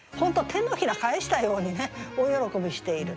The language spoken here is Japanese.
手のひら返したように大喜びしている。